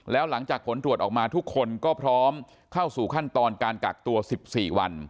แล้วหลังจากผลตรวจออกมาทุกคนก็พร้อมเข้าสู่ขั้นตอนการกักตัว๑๔วัน